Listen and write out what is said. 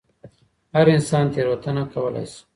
هر انسان تېروتنه کولای سي.